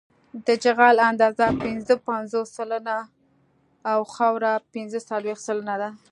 د جغل اندازه پنځه پنځوس سلنه او خاوره پنځه څلویښت سلنه ده